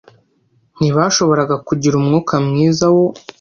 Ntibashoboraga kugira umwuka mwiza wo